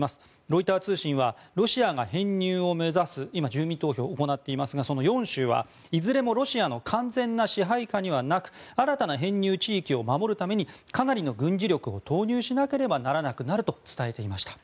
ロイター通信はロシアが編入を目指す今、住民投票を行っていますがその４州はいずれもロシアの完全な支配下にはなく新たな編入地域を守るためにかなりの軍事力を投入しなければならなくなると伝えていました。